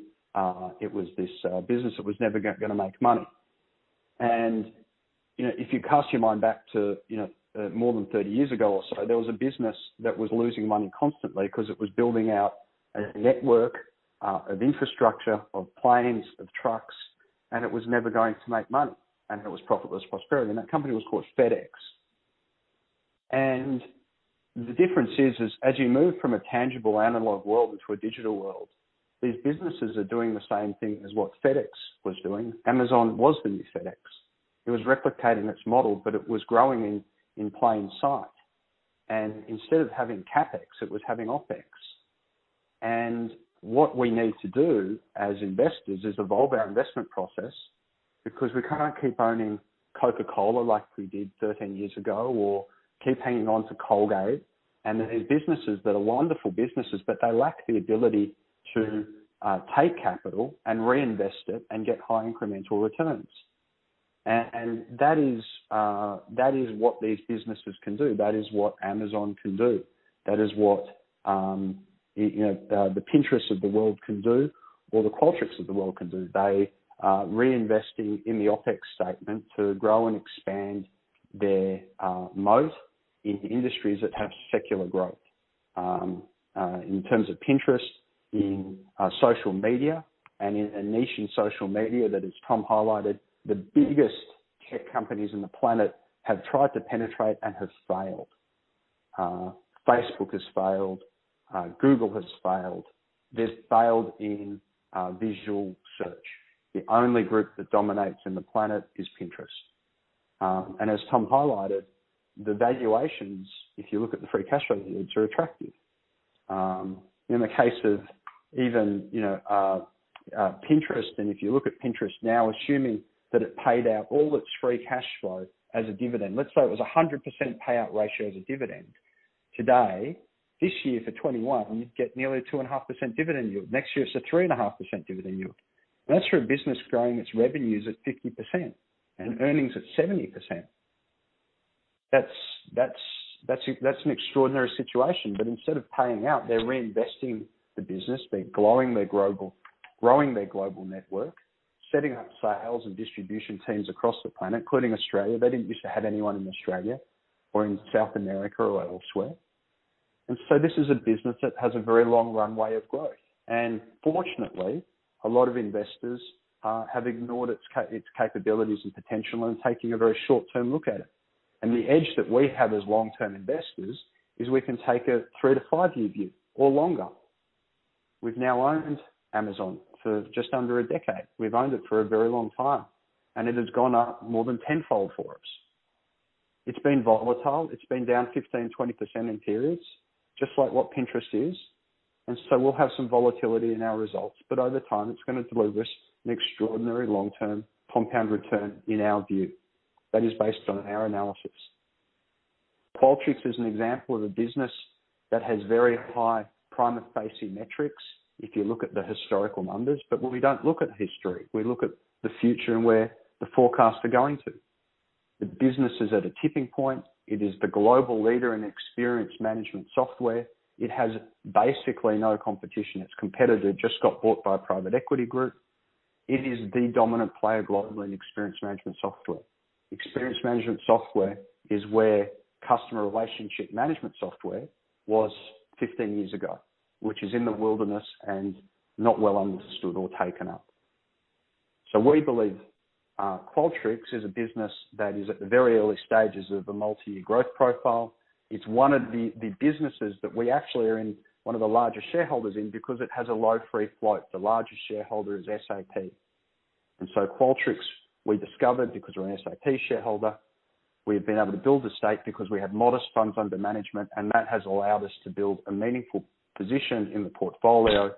It was this business that was never going to make money. If you cast your mind back to more than 30 years ago or so, there was a business that was losing money constantly because it was building out a network of infrastructure, of planes, of trucks, and it was never going to make money, and it was profitless prosperity. That company was called FedEx. The difference is, as you move from a tangible analog world into a digital world, these businesses are doing the same thing as what FedEx was doing. Amazon was the new FedEx. It was replicating its model, but it was growing in plain sight. Instead of having CapEx, it was having OpEx. What we need to do as investors is evolve our investment process because we can't keep owning Coca-Cola like we did 13 years ago or keep hanging on to Colgate-Palmolive. They're these businesses that are wonderful businesses, but they lack the ability to take capital and reinvest it and get high incremental returns. That is what these businesses can do. That is what Amazon can do. That is what the Pinterests of the world can do or the Qualtrics of the world can do. They are reinvesting in the OpEx statement to grow and expand their moat in industries that have secular growth. In terms of Pinterest, in social media and in a niche in social media that as Tom highlighted, the biggest tech companies in the planet have tried to penetrate and have failed. Facebook has failed. Google has failed. They've failed in visual search. The only group that dominates in the planet is Pinterest. As Tom highlighted, the valuations, if you look at the free cash flow yields, are attractive. In the case of even Pinterest, if you look at Pinterest now, assuming that it paid out all its free cash flow as a dividend, let's say it was 100% payout ratio as a dividend. Today, this year for 2021, you'd get nearly 2.5% dividend yield. Next year, it's a 3.5% dividend yield. That's for a business growing its revenues at 50% and earnings at 70%. That's an extraordinary situation. Instead of paying out, they're reinvesting the business. They're growing their global network, setting up sales and distribution teams across the planet, including Australia. They didn't used to have anyone in Australia or in South America or elsewhere. This is a business that has a very long runway of growth. Fortunately, a lot of investors have ignored its capabilities and potential and taking a very short-term look at it. The edge that we have as long-term investors is we can take a three to five-year view or longer. We've now owned Amazon for just under a decade. We've owned it for a very long time. It has gone up more than tenfold for us. It's been volatile. It's been down 15%-20% in periods, just like what Pinterest is. We'll have some volatility in our results, but over time, it's going to deliver us an extraordinary long-term compound return in our view. That is based on our analysis. Qualtrics is an example of a business that has very high prima facie metrics if you look at the historical numbers. We don't look at history. We look at the future and where the forecasts are going to. The business is at a tipping point. It is the global leader in experience management software. It has basically no competition. Its competitor just got bought by a private equity group. It is the dominant player globally in experience management software. Experience management software is where customer relationship management software was 15 years ago, which is in the wilderness and not well understood or taken up. We believe Qualtrics is a business that is at the very early stages of a multi-year growth profile. It's one of the businesses that we actually are in, one of the larger shareholders in, because it has a low free float. The largest shareholder is SAP. Qualtrics, we discovered because we're an SAP shareholder, we've been able to build a stake because we have modest funds under management, and that has allowed us to build a meaningful position in the portfolio,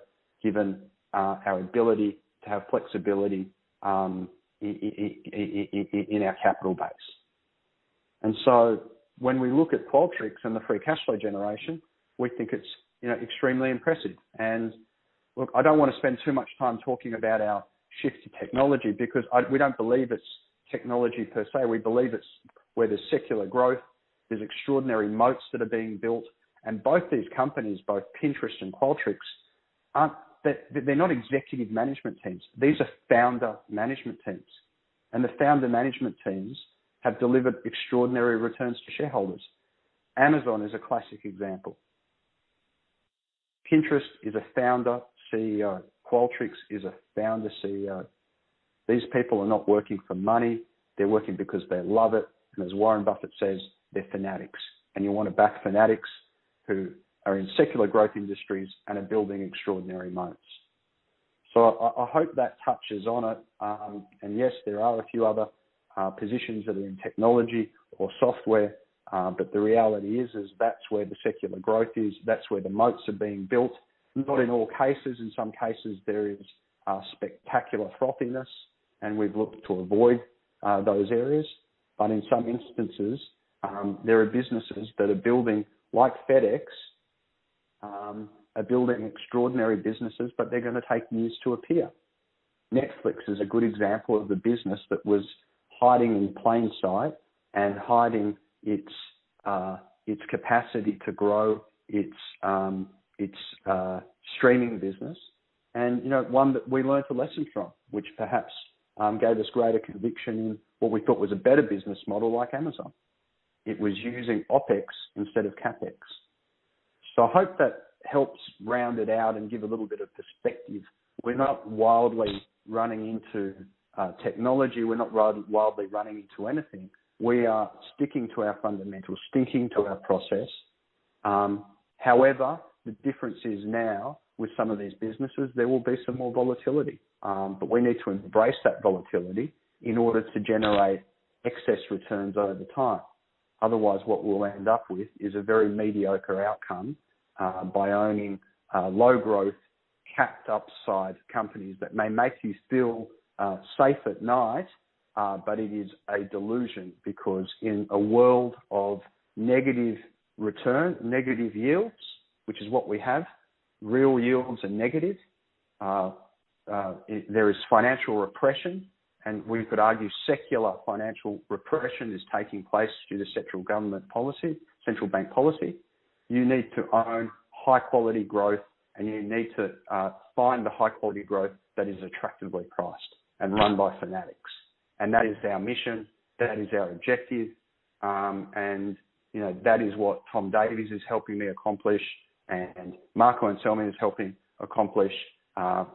given our ability to have flexibility in our capital base. When we look at Qualtrics and the free cash flow generation, we think it's extremely impressive. Look, I don't want to spend too much time talking about our shift to technology because we don't believe it's technology per se. We believe it's where there's secular growth, there's extraordinary moats that are being built. Both these companies, both Pinterest and Qualtrics, they're not executive management teams. These are founder management teams. The founder management teams have delivered extraordinary returns to shareholders. Amazon is a classic example. Pinterest is a founder CEO. Qualtrics is a founder CEO. These people are not working for money. They're working because they love it. As Warren Buffett says, "They're fanatics." You want to back fanatics who are in secular growth industries and are building extraordinary moats. I hope that touches on it. Yes, there are a few other positions that are in technology or software. The reality is that's where the secular growth is, that's where the moats are being built. Not in all cases. In some cases, there is spectacular frothiness, and we've looked to avoid those areas. In some instances, there are businesses that are building, like FedEx, are building extraordinary businesses, but they're going to take years to appear. Netflix is a good example of a business that was hiding in plain sight and hiding its capacity to grow its streaming business. One that we learned a lesson from, which perhaps gave us greater conviction in what we thought was a better business model like Amazon. It was using OpEx instead of CapEx. I hope that helps round it out and give a little bit of perspective. We're not wildly running into technology. We're not wildly running into anything. We are sticking to our fundamentals, sticking to our process. However, the difference is now with some of these businesses, there will be some more volatility. We need to embrace that volatility in order to generate excess returns over time. Otherwise, what we'll end up with is a very mediocre outcome, by owning low-growth, capped upside companies that may make you still safe at night. It is a delusion because in a world of negative return, negative yields, which is what we have, real yields are negative. There is financial repression, and we could argue secular financial repression is taking place due to central government policy, central bank policy. You need to own high-quality growth, and you need to find the high-quality growth that is attractively priced and run by fanatics. That is our mission, that is our objective, and that is what Thomas Davies is helping me accomplish, and Marco Anselmi is helping accomplish. Our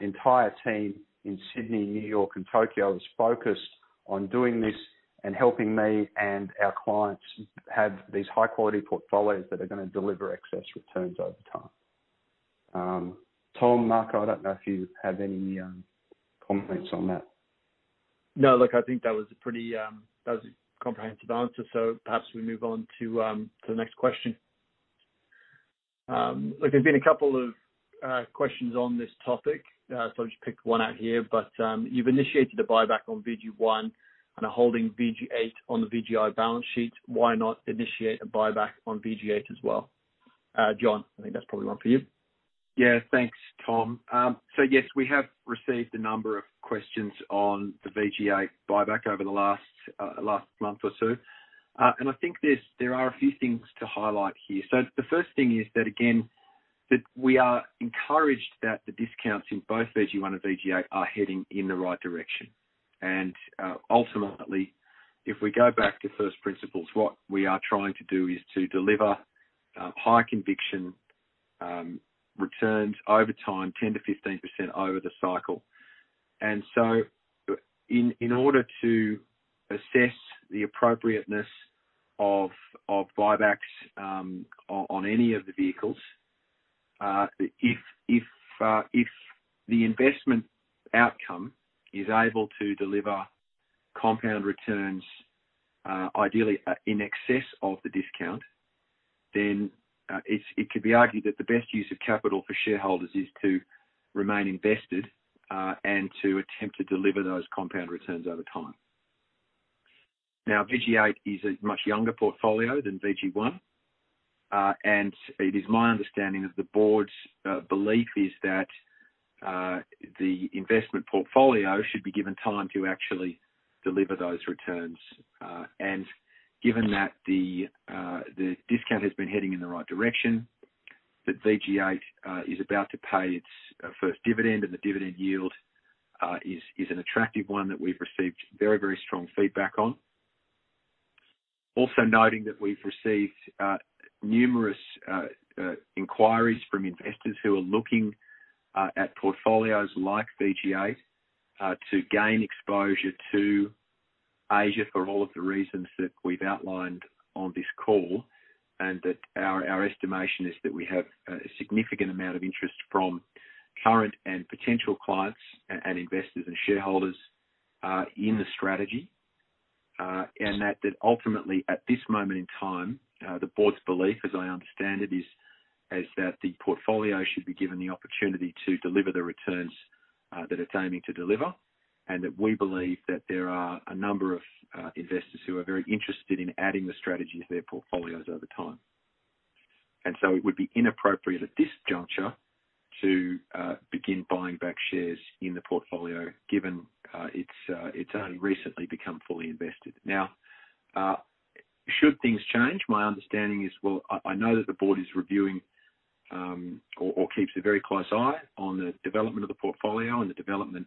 entire team in Sydney, New York and Tokyo is focused on doing this and helping me and our clients have these high-quality portfolios that are going to deliver excess returns over time. Tom, Marco, I don't know if you have any comments on that. No, look, I think that was a comprehensive answer, so perhaps we move on to the next question. Look, there's been a couple of questions on this topic, so I'll just pick one out here. You've initiated a buyback on VG1 and are holding VG8 on the VGI balance sheet. Why not initiate a buyback on VG8 as well? Jon, I think that's probably one for you. Yeah. Thanks, Tom. Yes, we have received a number of questions on the VG8 buyback over the last month or two. I think there are a few things to highlight here. The first thing is that, again, that we are encouraged that the discounts in both VG1 and VG8 are heading in the right direction. Ultimately, if we go back to first principles, what we are trying to do is to deliver high conviction returns over time, 10%-15% over the cycle. In order to assess the appropriateness of buybacks on any of the vehicles, if the investment outcome is able to deliver compound returns, ideally in excess of the discount, then it could be argued that the best use of capital for shareholders is to remain invested, and to attempt to deliver those compound returns over time. VG8 is a much younger portfolio than VG1. It is my understanding that the board's belief is that the investment portfolio should be given time to actually deliver those returns. Given that the discount has been heading in the right direction. That VG8 is about to pay its first dividend, and the dividend yield is an attractive one that we've received very strong feedback on. Also noting that we've received numerous inquiries from investors who are looking at portfolios like VG8 to gain exposure to Asia for all of the reasons that we've outlined on this call, and that our estimation is that we have a significant amount of interest from current and potential clients and investors and shareholders in the strategy. Ultimately, at this moment in time, the board's belief, as I understand it, is that the portfolio should be given the opportunity to deliver the returns that it's aiming to deliver, and that we believe that there are a number of investors who are very interested in adding the strategy to their portfolios over time. It would be inappropriate at this juncture to begin buying back shares in the portfolio, given it's only recently become fully invested. Should things change, my understanding is, well, I know that the board is reviewing or keeps a very close eye on the development of the portfolio and the development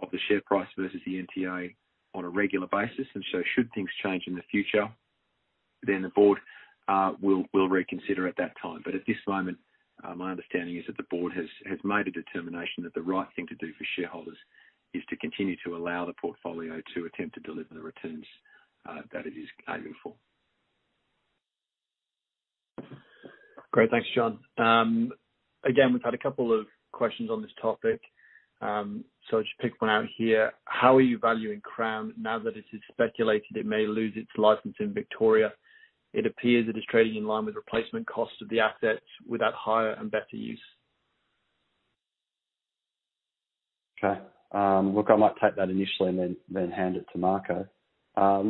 of the share price versus the NTA on a regular basis. Should things change in the future, then the board will reconsider at that time. At this moment, my understanding is that the board has made a determination that the right thing to do for shareholders is to continue to allow the portfolio to attempt to deliver the returns that it is aiming for. Great. Thanks, Jon. We've had two questions on this topic. I'll just pick one out here. How are you valuing Crown now that it is speculated it may lose its license in Victoria? It appears it is trading in line with replacement costs of the assets without higher and better use. I might take that initially and then hand it to Marco.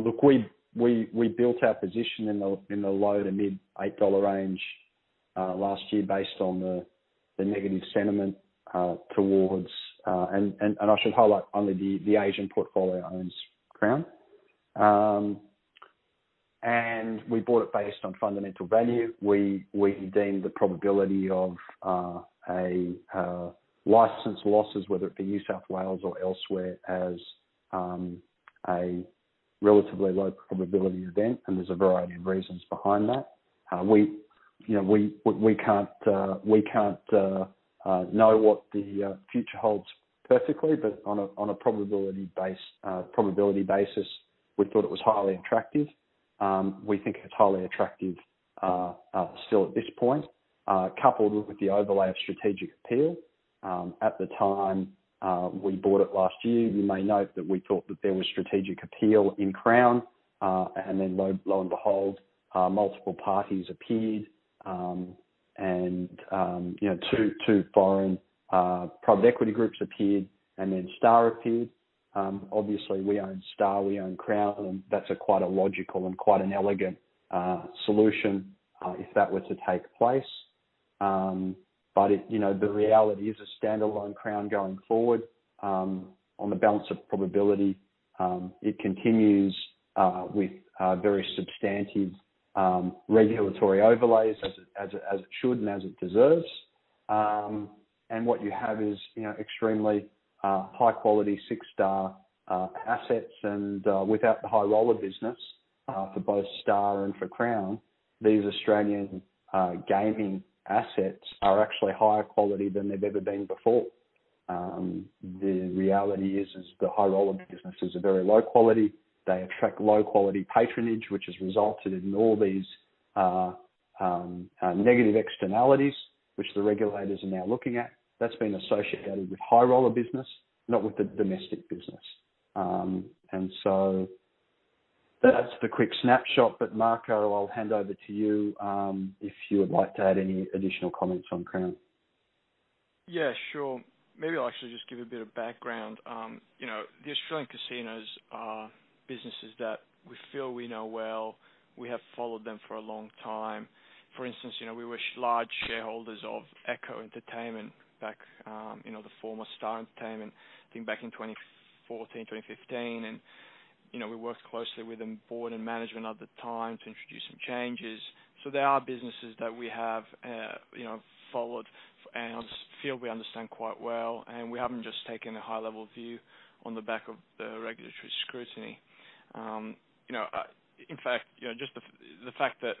We built our position in the low to mid 8 dollar range last year based on the negative sentiment. I should highlight only the Asian portfolio owns Crown. We bought it based on fundamental value. We deemed the probability of license losses, whether it be New South Wales or elsewhere, as a relatively low probability event. There's a variety of reasons behind that. We can't know what the future holds perfectly. On a probability basis, we thought it was highly attractive. We think it's highly attractive still at this point, coupled with the overlay of strategic appeal. At the time we bought it last year, you may note that we thought that there was strategic appeal in Crown. Lo and behold, multiple parties appeared and two foreign private equity groups appeared, then Star appeared. Obviously, we own Star, we own Crown, that's quite a logical and quite an elegant solution if that were to take place. The reality is a stand-alone Crown going forward on the balance of probability, it continues with very substantive regulatory overlays as it should and as it deserves. What you have is extremely high quality six-star assets and without the high roller business for both Star and for Crown, these Australian gaming assets are actually higher quality than they've ever been before. The reality is the high roller businesses are very low quality. They attract low-quality patronage, which has resulted in all these negative externalities, which the regulators are now looking at. That's been associated with high roller business, not with the domestic business. That's the quick snapshot, but Marco, I'll hand over to you if you would like to add any additional comments on Crown. Yeah, sure. Maybe I'll actually just give a bit of background. The Australian casinos are businesses that we feel we know well. We have followed them for a long time. For instance, we were large shareholders of Echo Entertainment Group back, the former The Star Entertainment Group, I think back in 2014, 2015. We worked closely with them, board and management at the time to introduce some changes. They are businesses that we have followed and feel we understand quite well, and we haven't just taken a high-level view on the back of the regulatory scrutiny. In fact, just the fact that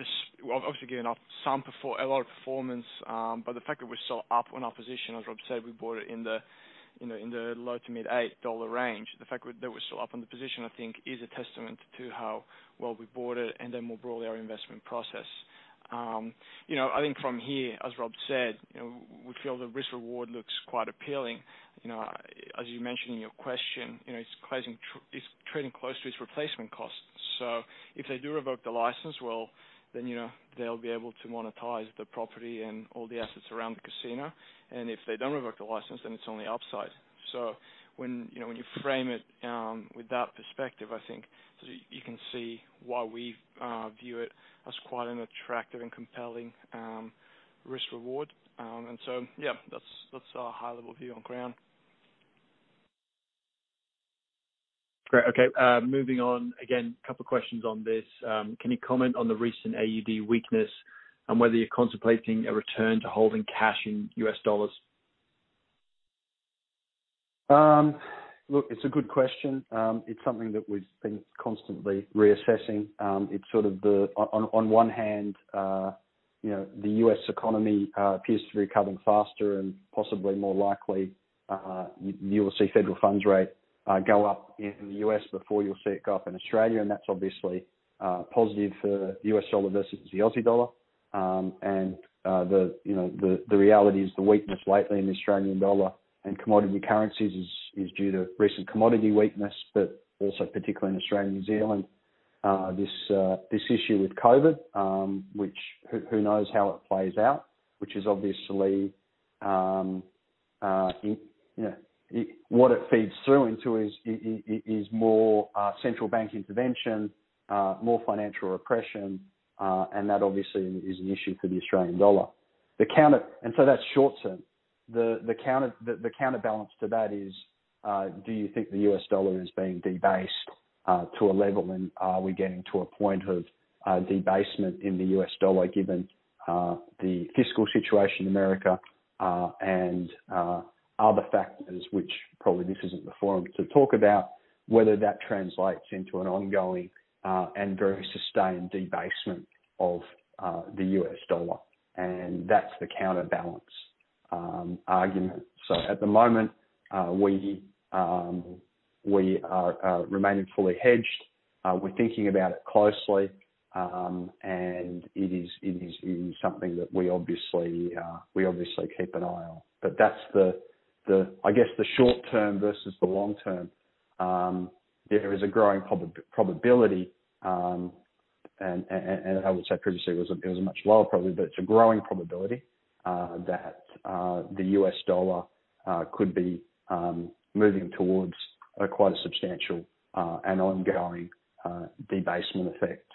this, obviously given off a lot of performance, but the fact that we're still up on our position, as Rob said, we bought it in the low to mid 8 dollar range. The fact that we're still up on the position, I think is a testament to how well we bought it and then more broadly, our investment process. I think from here, as Rob said, we feel the risk-reward looks quite appealing. As you mentioned in your question, it's trading close to its replacement cost. If they do revoke the license, well, then they'll be able to monetize the property and all the assets around the casino, and if they don't revoke the license, then it's on the upside. When you frame it with that perspective, I think you can see why we view it as quite an attractive and compelling risk-reward. Yeah, that's our high-level view on Crown. Great. Okay. Moving on. Again, a couple questions on this. Can you comment on the recent AUD weakness and whether you're contemplating a return to holding cash in US dollars? Look, it's a good question. It's something that we've been constantly reassessing. On one hand, the U.S. economy appears to be recovering faster and possibly more likely, you will see federal funds rate go up in the U.S. before you'll see it go up in Australia, and that's obviously positive for the USD versus the AUD. The reality is the weakness lately in the AUD and commodity currencies is due to recent commodity weakness, but also particularly in Australia and New Zealand, this issue with COVID, which, who knows how it plays out, which is obviously what it feeds through into is more central bank intervention, more financial repression, and that obviously is an issue for the AUD. That's short-term. The counterbalance to that is, do you think the US dollar is being debased to a level and are we getting to a point of debasement in the US dollar given the fiscal situation in America and other factors which probably this isn't the forum to talk about, whether that translates into an ongoing and very sustained debasement of the US dollar. That's the counterbalance argument. At the moment, we are remaining fully hedged. We're thinking about it closely, and it is something that we obviously keep an eye on. That's, I guess, the short-term versus the long-term. There is a growing probability, and I would say previously it was a much lower probability, but it's a growing probability, that the US dollar could be moving towards a quite substantial and ongoing debasement effect,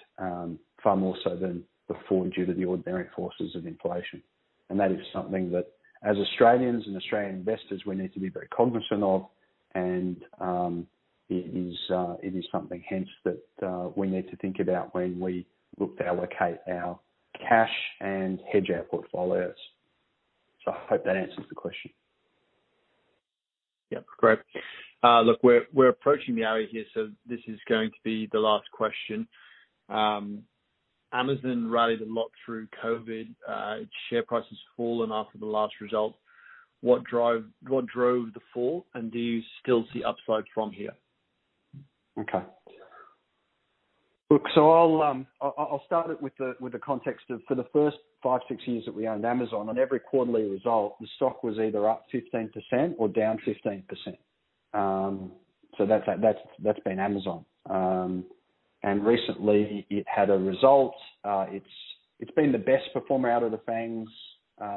far more so than before due to the ordinary forces of inflation. That is something that as Australians and Australian investors, we need to be very cognizant of, and it is something hence that we need to think about when we look to allocate our cash and hedge our portfolios. I hope that answers the question. Yep. Great. Look, we're approaching the hour here, so this is going to be the last question. Amazon rallied a lot through COVID. Its share price has fallen after the last result. What drove the fall, and do you still see upside from here? Okay. Look, I'll start it with the context of, for the first five, six years that we owned Amazon, on every quarterly result, the stock was either up 15% or down 15%. That's been Amazon. Recently it had a result. It's been the best performer out of the FANGs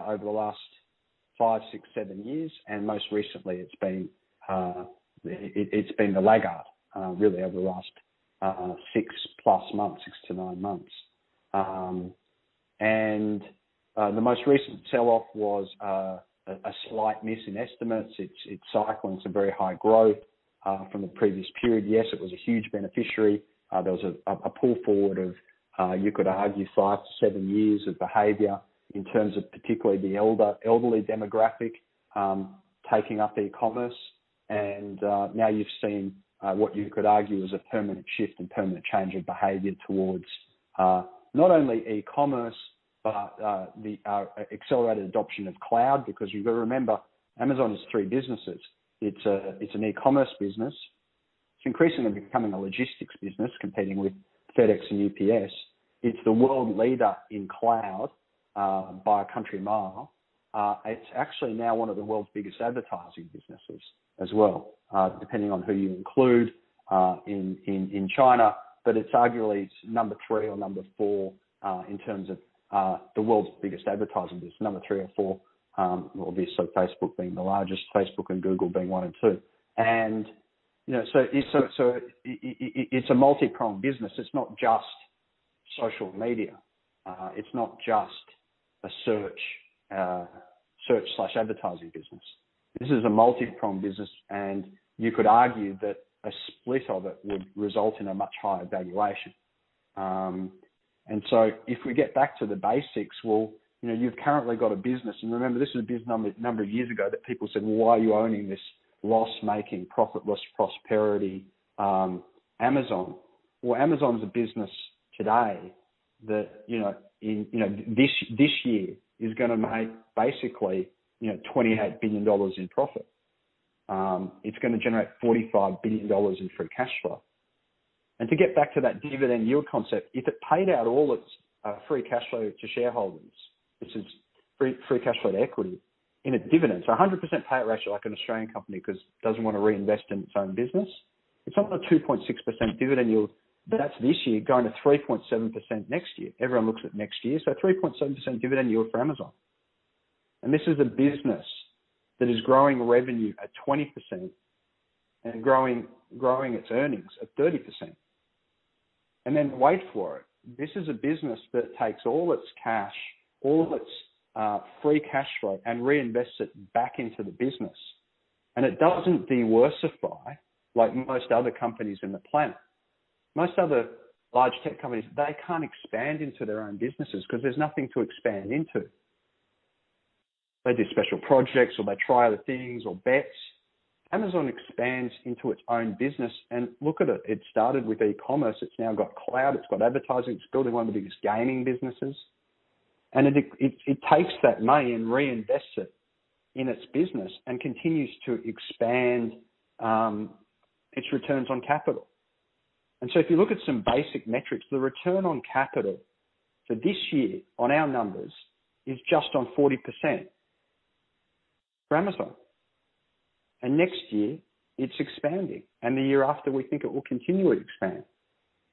over the last five, six, seven years, and most recently it's been the laggard, really over the last 6+ months, six to nine months. The most recent sell-off was a slight miss in estimates. It's cycling some very high growth from the previous period. Yes, it was a huge beneficiary. There was a pull forward of, you could argue, five to seven years of behavior in terms of particularly the elderly demographic taking up e-commerce. Now you've seen what you could argue is a permanent shift and permanent change of behavior towards not only e-commerce but the accelerated adoption of cloud. Because you've got to remember, Amazon is three businesses. It's an e-commerce business. It's increasingly becoming a logistics business competing with FedEx and UPS. It's the world leader in cloud by a country mile. It's actually now one of the world's biggest advertising businesses as well, depending on who you include in China. It's arguably number three or number four in terms of the world's biggest advertising business, number three or four, obviously Facebook being the largest, Facebook and Google being one and two. It's a multi-pronged business. It's not just social media. It's not just a search/advertising business. This is a multi-pronged business, and you could argue that a split of it would result in a much higher valuation. If we get back to the basics, well, you've currently got a business. Remember, this is a business a number of years ago that people said, "Well, why are you owning this loss-making, profitless prosperity Amazon?" Amazon is a business today that this year is going to make basically 28 billion dollars in profit. It's going to generate 45 billion dollars in free cash flow. To get back to that dividend yield concept, if it paid out all its free cash flow to shareholders, which is free cash flow to equity in a dividend, so 100% payout ratio like an Australian company because it doesn't want to reinvest in its own business. It's on a 2.6% dividend yield, but that's this year, going to 3.7% next year. Everyone looks at next year. 3.7% dividend yield for Amazon. This is a business that is growing revenue at 20% and growing its earnings at 30%. Wait for it. This is a business that takes all of its free cash flow and reinvests it back into the business. It doesn't diworsify like most other companies in the planet. Most other large tech companies, they can't expand into their own businesses because there's nothing to expand into. They do special projects, or they try other things or bets. Amazon expands into its own business. Look at it started with e-commerce. It's now got cloud, it's got advertising, it's building one of the biggest gaming businesses. It takes that money and reinvests it in its business and continues to expand its returns on capital. If you look at some basic metrics, the return on capital for this year on our numbers is just on 40% for Amazon. Next year it's expanding, and the year after we think it will continually expand.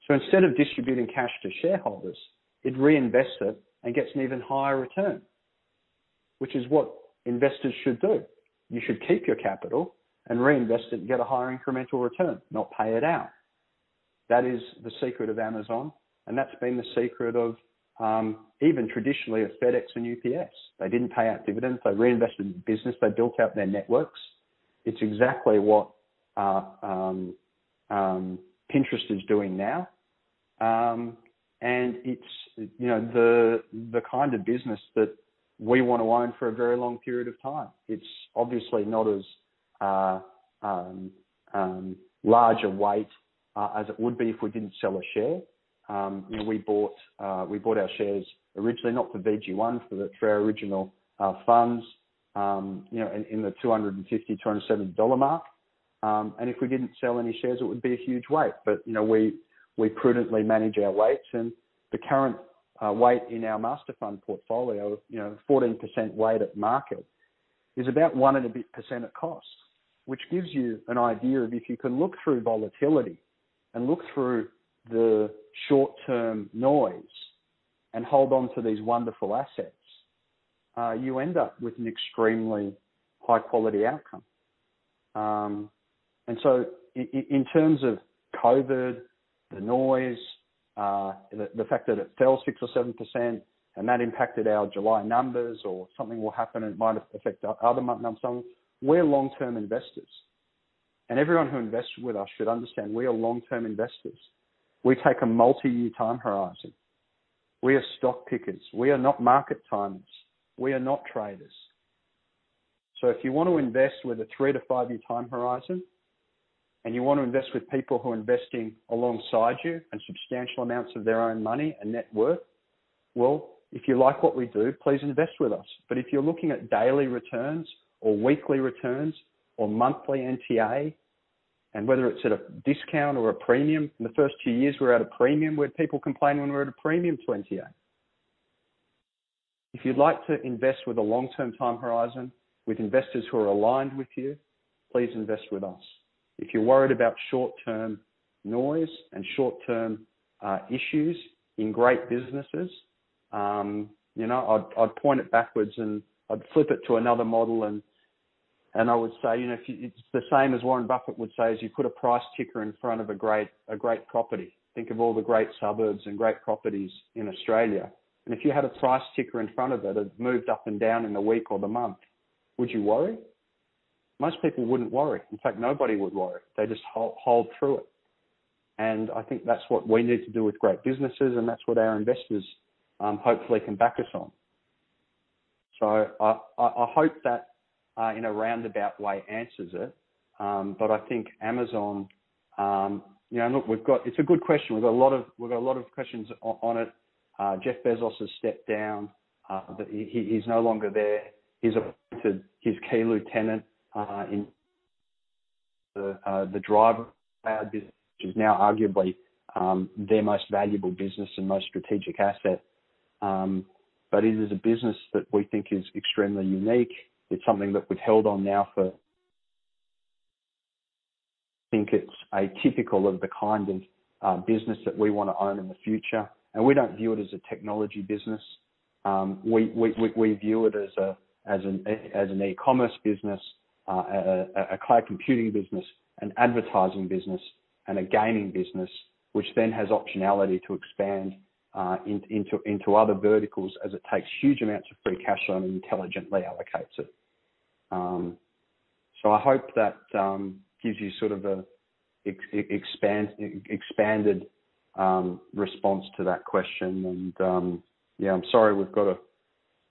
Instead of distributing cash to shareholders, it reinvests it and gets an even higher return. Which is what investors should do. You should keep your capital and reinvest it and get a higher incremental return, not pay it out. That is the secret of Amazon, and that's been the secret of, even traditionally of FedEx and UPS. They didn't pay out dividends. They reinvested in business. They built out their networks. It's exactly what Pinterest is doing now. It's the kind of business that we want to own for a very long period of time. It's obviously not as large a weight as it would be if we didn't sell a share. We bought our shares originally, not for VG1, for our original funds, in the 250, 270 dollar mark. If we didn't sell any shares, it would be a huge weight. We prudently manage our weights and the current weight in our master fund portfolio, 14% weight at market, is about 1% at cost. Which gives you an idea of if you can look through volatility and look through the short-term noise and hold on to these wonderful assets, you end up with an extremely high-quality outcome. In terms of COVID, the noise, the fact that it fell 6% or 7% and that impacted our July numbers or something will happen and it might affect our other month numbers. We're long-term investors. Everyone who invests with us should understand we are long-term investors. We take a multi-year time horizon. We are stock pickers. We are not market timers. We are not traders. If you want to invest with a three to five-year time horizon and you want to invest with people who are investing alongside you and substantial amounts of their own money and net worth, well, if you like what we do, please invest with us. If you're looking at daily returns or weekly returns or monthly NTA and whether it's at a discount or a premium. In the first two years, we're at a premium. Were people complaining when we're at a premium to NTA? If you'd like to invest with a long-term time horizon with investors who are aligned with you, please invest with us. If you're worried about short-term noise and short-term issues in great businesses, I'd point it backwards and I'd flip it to another model and I would say, it's the same as Warren Buffett would say, is you put a price ticker in front of a great property. Think of all the great suburbs and great properties in Australia. If you had a price ticker in front of it moved up and down in the week or the month, would you worry? Most people wouldn't worry. In fact, nobody would worry. They just hold through it. I think that's what we need to do with great businesses, and that's what our investors hopefully can back us on. I hope that in a roundabout way answers it. I think Amazon, look, it's a good question. We've got a lot of questions on it. Jeff Bezos has stepped down. He's no longer there. He's appointed his key lieutenant Andy Jassy which is now arguably their most valuable business and most strategic asset. It is a business that we think is extremely unique. It's something that we've held on now think it's atypical of the kind of business that we want to own in the future. We don't view it as a technology business. We view it as an e-commerce business, a cloud computing business, an advertising business, and a gaming business, which then has optionality to expand into other verticals as it takes huge amounts of free cash flow and intelligently allocates it. I hope that gives you sort of an expanded response to that question. Yeah, I'm sorry, we've got to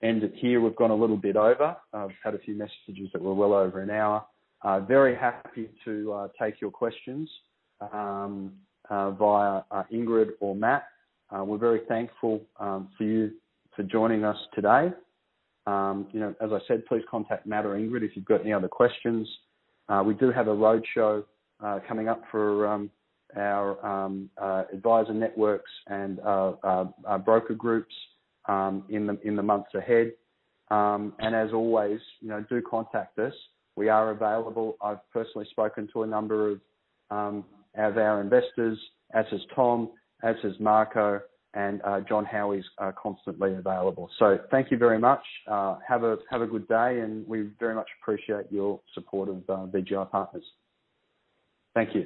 end it here. We've gone a little bit over. I've had a few messages that we're well over an hour. Very happy to take your questions via Ingrid or Matt. We're very thankful for you for joining us today. As I said, please contact Matt or Ingrid if you've got any other questions. We do have a roadshow coming up for our advisor networks and our broker groups in the months ahead. As always, do contact us. We are available. I've personally spoken to a number of our investors, as has Tom, as has Marco, and Jon Howie's constantly available. Thank you very much. Have a good day and we very much appreciate your support of VGI Partners. Thank you.